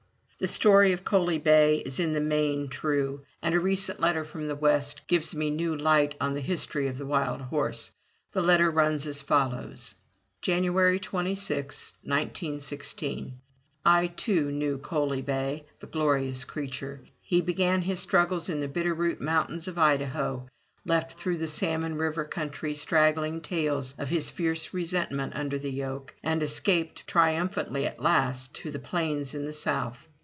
The story of Coaly bay is in the main true, and a recent 226 FROM THE TOWER WINDOW letter from the West gives me new light on the history of the wild horse. The letter runs as follows: '^January 26, 1916. I, too, knew Coaly bay, the glorious creature. He began his struggles in the Bitterroot Mountains of Idaho, left through the Salmon River country straggling tales of his fierce resentment under the yoke, and escaped triumphantly at last to the plains in the south.